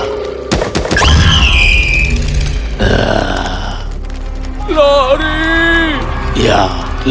tidak heran ini adalah planet tingkat tiga